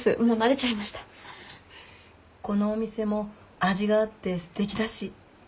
このお店も味があってすてきだし。